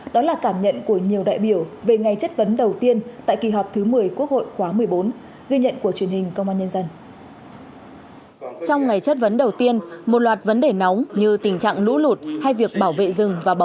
đó là cảm nhận của nhiều đại biểu về ngày chất vấn đầu tiên tại kỳ họp thứ một mươi quốc hội khóa một mươi bốn ghi nhận của truyền hình công an nhân dân